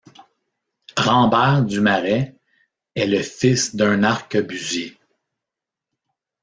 Rambert Dumarest est le fils d'un arquebusier.